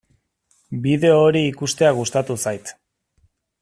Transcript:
Bideo hori ikustea gustatu zait.